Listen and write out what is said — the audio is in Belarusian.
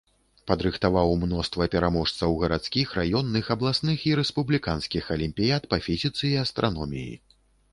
Падрыхтаваў мноства пераможцаў гарадскіх, раённых, абласных і рэспубліканскіх алімпіяд па фізіцы і астраноміі.